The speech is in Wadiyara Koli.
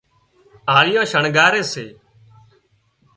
آۯيئان شڻڳاري سي